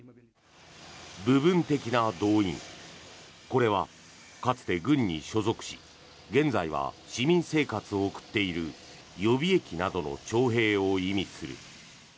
これは、かつて軍に所属し現在は市民生活を送っている予備役などの徴兵を意味する。